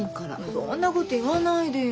そんなこと言わないでよ。